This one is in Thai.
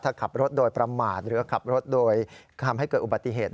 ถ้าขับรถโดยประมาทหรือขับรถโดยทำให้เกิดอุบัติเหตุ